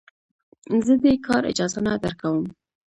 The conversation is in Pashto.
زه دې کار اجازه نه درکوم.